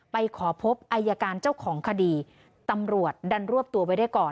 ไปขอพบอายการเจ้าของคดีตำรวจดันรวบตัวไว้ได้ก่อน